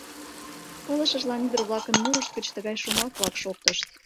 Пылышыжлан ӱдыр-влакын мурышт гыч тыгай шомак-влак шоктышт: